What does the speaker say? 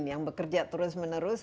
yang bekerja terus menerus